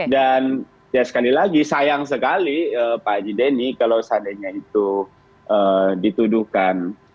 dan ya sekali lagi sayang sekali pak haji deni kalau seandainya itu dituduhkan